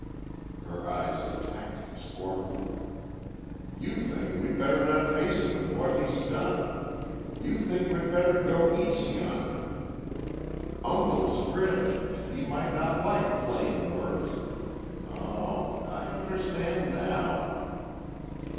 Her eyes attacked him scornfully. "You think we'd better not face him with what he's done. You think we'd better go easy on him. Uncle's rich, and he might not like plain words. Oh, I understand now."